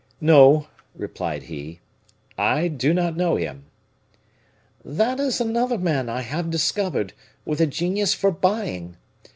"No," replied he, "I do not know him." "That is another man I have discovered, with a genius for buying.